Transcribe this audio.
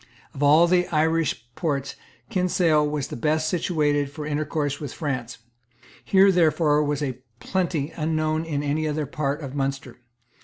Of all the Irish ports Kinsale was the best situated for intercourse with France. Here, therefore, was a plenty unknown in any other part of Munster.